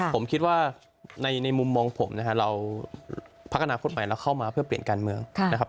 ผมคิดว่าในมุมมองผมนะฮะเราพักอนาคตใหม่เราเข้ามาเพื่อเปลี่ยนการเมืองนะครับ